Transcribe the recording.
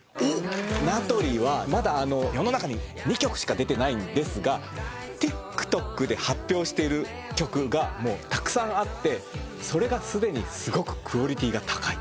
なとりはまだ世の中に２曲しか出てないんですがＴｉｋＴｏｋで発表してる曲がたくさんあってそれがすでにすごくクオリティーが高い。